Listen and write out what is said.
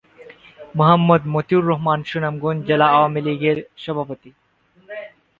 মোহাম্মদ মতিউর রহমান সুনামগঞ্জ জেলা আওয়ামী লীগের সভাপতি।